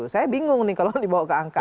saya bingung kalau dibawa ke angket